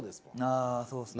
あそうですね。